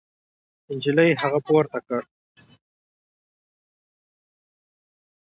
نجلۍ هغه پورته کړ.